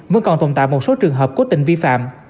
vẫn còn tồn tại một số trường hợp cố tình vi phạm